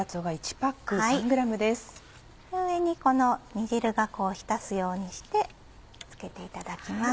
上にこの煮汁がこう浸すようにして漬けていただきます。